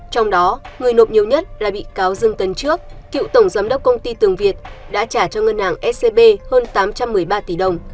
trong đó người nộp nhiều nhất là bị cáo dương tấn trước cựu tổng giám đốc công ty tường việt đã trả cho ngân hàng scb hơn tám trăm một mươi ba tỷ đồng